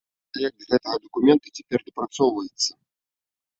Праект гэтага дакумента цяпер дапрацоўваецца.